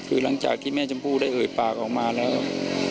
คือหลังจากที่แม่ชมพู่ได้เอ่ยปากออกมาแล้ว